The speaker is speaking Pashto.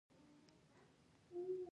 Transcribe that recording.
ایا د ټولو انسانانو جینونه یو شان دي؟